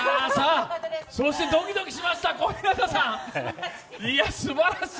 そしてドキドキしました小日向さん、すばらしい。